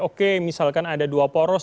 oke misalkan ada dua poros